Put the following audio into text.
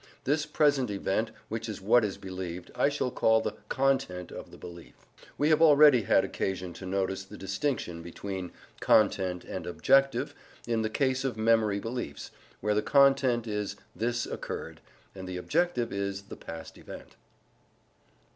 This present event, which is what is believed, I shall call the "content" of the belief. We have already had occasion to notice the distinction between content and objective in the case of memory beliefs, where the content is "this occurred" and the objective is the past event.